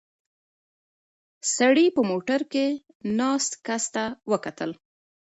سړي په موټر کې ناست کس ته وکتل.